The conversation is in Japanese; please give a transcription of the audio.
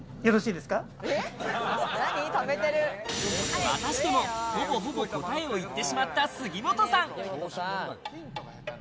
またしても、ほぼほぼ答えを言ってしまった杉本さん。